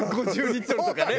５０リットルとかね。